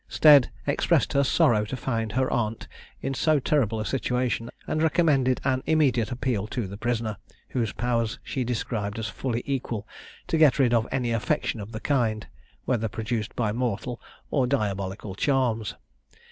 Stead expressed her sorrow to find her aunt in so terrible a situation, and recommended an immediate appeal to the prisoner, whose powers she described as fully equal to get rid of any affection of the kind, whether produced by mortal or diabolical charms.